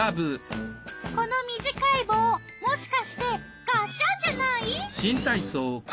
この短い棒もしかしてがっしゃんじゃなぁい？